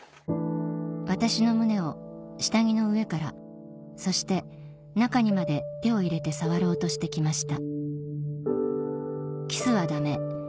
「私の胸を下着の上からそして中にまで手を入れて触ろうとして来ました」